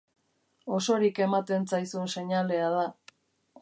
Osorik ematen zaizun seinalea da.